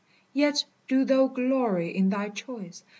Yet do thou glory in thy choice.